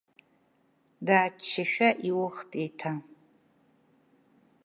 Дааччашәа иухт еиҭа.